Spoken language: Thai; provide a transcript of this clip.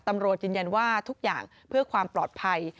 ตำรวจยืนยันว่าทุกอย่างเพื่อความปลอดภัย